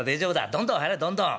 どんどん張れどんどん。